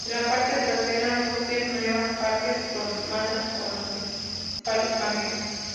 En la parte trasera, luces nuevas y partes cromadas son los principales cambios.